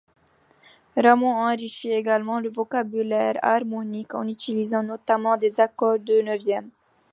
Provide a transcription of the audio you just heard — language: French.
Rameau enrichit également le vocabulaire harmonique en utilisant notamment des accords de neuvième.